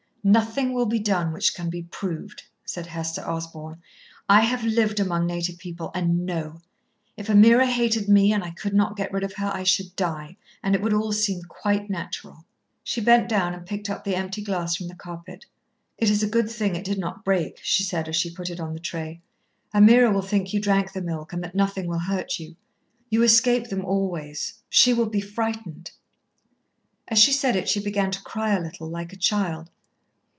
"Nothing will be done which can be proved," said Hester Osborn. "I have lived among native people, and know. If Ameerah hated me and I could not get rid of her I should die, and it would all seem quite natural." She bent down and picked up the empty glass from the carpet. "It is a good thing it did not break," she said, as she put it on the tray. "Ameerah will think you drank the milk and that nothing will hurt you. You escape them always. She will be frightened." As she said it she began to cry a little, like a child.